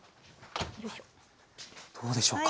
どうでしょうか？